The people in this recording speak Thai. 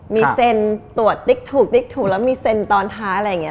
มีเซ็นตรวจติ๊กถูกติ๊กถูกแล้วมีเซ็นตอนท้ายอะไรอย่างนี้